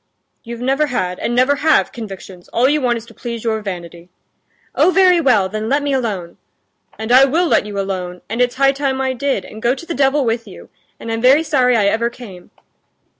"You've never had, and never have, convictions; all you want is to please your vanity." "Oh, very well; then let me alone!" "And I will let you alone! and it's high time I did, and go to the devil with you! and I'm very sorry I ever came!"